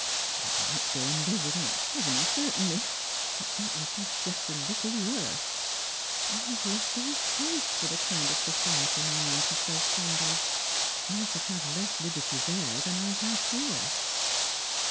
I might go and live with aunt Chevenix, certainly ; but that would be just a little worse. I have lost all taste for the kind of society my aunt is so fond of, and I should have less liberty there than I have here."